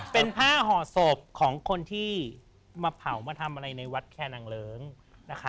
เป็นผ้าห่อศพของคนที่มาเผามาทำอะไรในวัดแคนางเลิ้งนะคะ